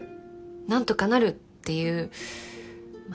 何とかなるっていうまあ